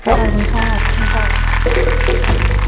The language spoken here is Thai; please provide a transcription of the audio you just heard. ขอบคุณครับ